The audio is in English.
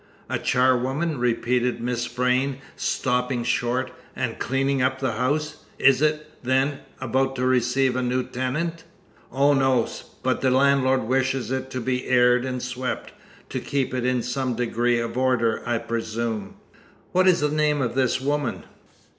"A charwoman," repeated Miss Vrain, stopping short, "and cleaning up the house! Is it, then, about to receive a new tenant?" "Oh, no; but the landlord wishes it to be aired and swept; to keep it in some degree of order, I presume." "What is the name of this woman?"